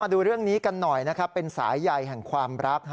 มาดูเรื่องนี้กันหน่อยเป็นสายใหญ่ของความรัก